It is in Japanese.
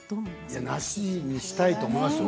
なしにしたいと思いますよ